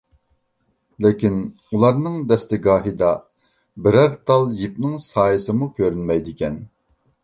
لېكىن ئۇلارنىڭ دەستىگاھىدا بىرەر تال يىپنىڭ سايىسىمۇ كۆرۈنمەيدىكەن.